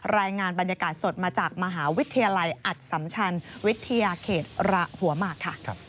รายงานบรรยากาศสดมาจากมหาวิทยาลัยอัตสัมชันวิทยาเขตหัวหมากค่ะ